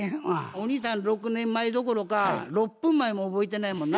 お兄さん６年前どころか６分前も覚えてないもんな？